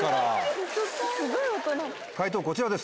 解答こちらです。